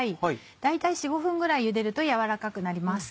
大体４５分ぐらいゆでると軟らかくなります。